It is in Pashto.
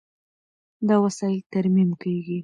دا وسایل ترمیم کېږي.